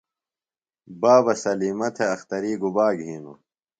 بابہ سلِیمہ تھےۡ اختری گُبا گِھینوۡ؟